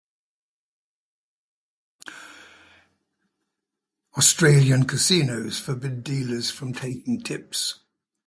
Australian casinos forbid dealers from taking tips.